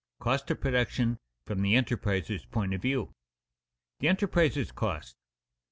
COST OF PRODUCTION FROM THE ENTERPRISER'S POINT OF VIEW [Sidenote: The enterpriser's cost] 1.